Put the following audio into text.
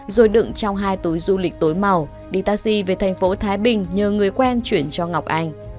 rồi đựng trong hai túi du lịch tối màu đi taxi về thành phố thái bình nhờ người quen chuyển cho ngọc anh